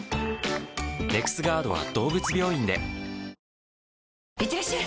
そしていってらっしゃい！